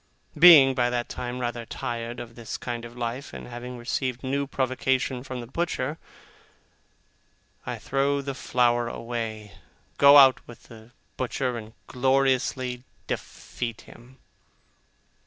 Being, by that time, rather tired of this kind of life, and having received new provocation from the butcher, I throw the flower away, go out with the butcher, and gloriously defeat him.